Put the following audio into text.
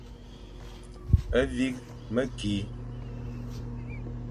Vîkh mekî.